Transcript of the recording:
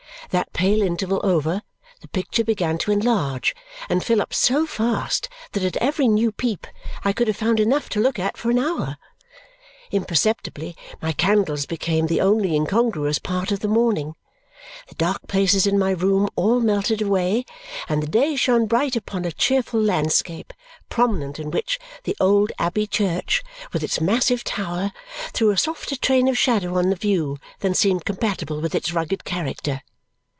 That pale interval over, the picture began to enlarge and fill up so fast that at every new peep I could have found enough to look at for an hour. Imperceptibly my candles became the only incongruous part of the morning, the dark places in my room all melted away, and the day shone bright upon a cheerful landscape, prominent in which the old Abbey Church, with its massive tower, threw a softer train of shadow on the view than seemed compatible with its rugged character.